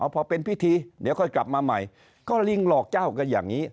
พอเป็นพิธีเดี๋ยวค่อยกลับมาใหม่ก็ลิงหลอกเจ้ากันอย่างนี้